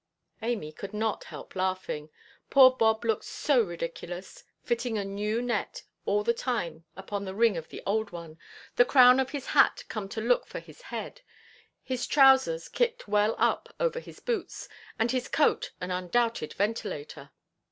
Amy could not help laughing; poor Bob looked so ridiculous, fitting a new net all the time upon the ring of the old one, the crown of his hat come to look for his head, his trousers kicked well up over his boots, and his coat an undoubted ventilator.